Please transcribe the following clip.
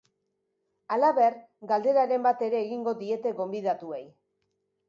Halaber, galderaren bat ere egingo diete gonbidatuei.